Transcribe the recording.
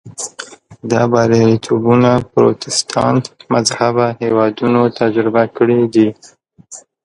دا بریالیتوبونه پروتستانت مذهبه هېوادونو تجربه کړي دي.